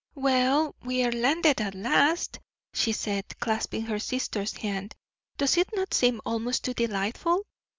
"Well, we are landed at last!" she said, clasping her sister's hand. "Does it not seem almost too delightful?"